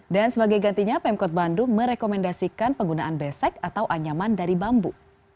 dan sebagai gantinya pemkot bandung merekomendasikan penggunaan besek atau anyaman dari bambu